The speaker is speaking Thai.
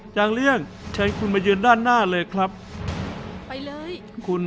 จางเลี่ยงฉันขึ้นมายืน